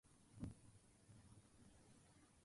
An example of this is the Tampa Bay Rowdies.